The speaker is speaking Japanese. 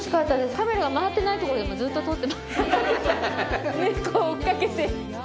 カメラが回ってないところでもずっと撮ってネコを追っかけて。